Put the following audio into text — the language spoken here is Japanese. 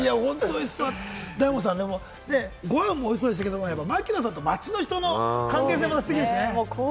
大門さん、でもご飯もおいしそうでしたけれど、槙野さんと街の人の関係もステキでしたね。